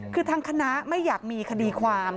คือทางคณะไม่อยากมีคดีความ